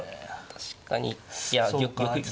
確かに。